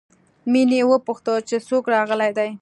مينې وپوښتل چې څوک راغلي دي